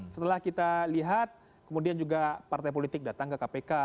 setelah kita lihat kemudian juga partai politik datang ke kpk